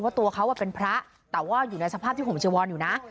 ตัวเขาเป็นพระแต่ว่าอยู่ในสภาพที่ผมจะวอนอยู่นะ